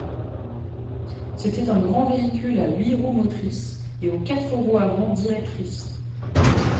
C'était un grand véhicule à huit roues motrices et aux quatre roues avant directrices.